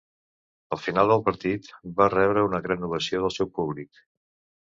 Al final del partit, va rebre una gran ovació del seu públic.